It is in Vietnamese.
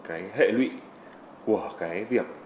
cái hệ lụy của cái việc